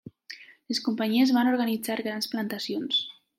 Les companyies van organitzar grans plantacions.